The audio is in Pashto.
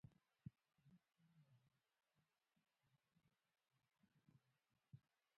کندز سیند د افغانانو لپاره په معنوي لحاظ ارزښت لري.